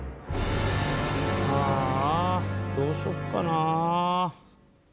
ああどうしよっかな。